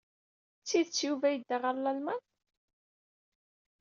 D tidet Yuba yedda ɣer Lalman?